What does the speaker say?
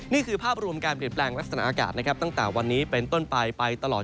นี่คือภาพรวมการเปลี่ยนแปลงลักษณะอากาศนะครับตั้งแต่วันนี้เป็นต้นไปไปตลอด